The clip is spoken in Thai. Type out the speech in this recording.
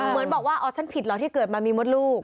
เหมือนบอกว่าอ๋อฉันผิดเหรอที่เกิดมามีมดลูก